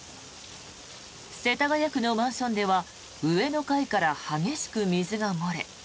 世田谷区のマンションでは上の階から激しく水が漏れ